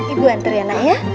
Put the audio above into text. ibu antar ya nek ya